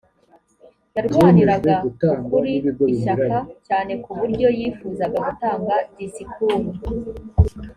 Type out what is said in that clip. yarwaniraga ukuri ishyaka cyane ku buryo yifuzaga gutanga disikuru